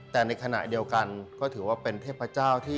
แต่ในขณะเดียวกันก็ถือว่าเป็นเทพเจ้าที่